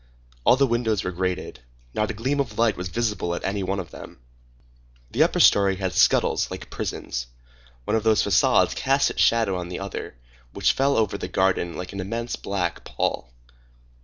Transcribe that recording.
All the windows were grated. Not a gleam of light was visible at any one of them. The upper story had scuttles like prisons. One of those façades cast its shadow on the other, which fell over the garden like an immense black pall.